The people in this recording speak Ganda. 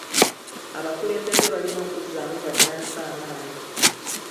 Abakulembeze balina okuzzamu bannansi amaanyi.